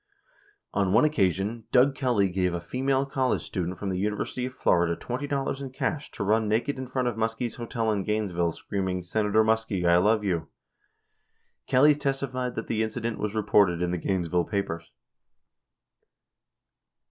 On one occasion, Doug Kelly gave a female college student from the University of Florida $20 in cash to run naked in front of Muskie's hotel in Gainesville, screaming, "Senator Muskie, I love you." 11 Kelly testified that the incident was reported in the Gainesville papers.